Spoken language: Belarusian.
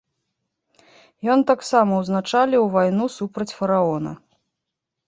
Ён таксама ўзначаліў вайну супраць фараона.